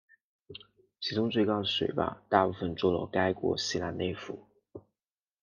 其中最高的水坝大部分坐落该国西南内腹。